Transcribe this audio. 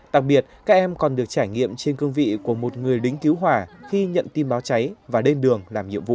tặc biệt các em còn được trải nghiệm trên cương vị của một người đính cứu hỏa khi nhận tin báo cháy và đến đường làm nhiệm vụ